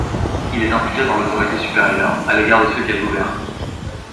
Il est infligé par l'autorité supérieure à l'égard de ceux qu'elle gouverne.